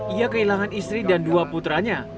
ia kehilangan istri dan dua putranya